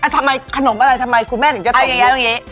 ทำไมขนมอะไรทำไมคุณแม่ถึงจะตกอย่างนี้